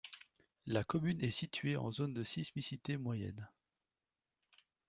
La commune est située en zone de sismicité moyenne.